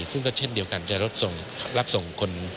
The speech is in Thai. ซึ่งก็เช่นเดียวกันจะรับส่งคน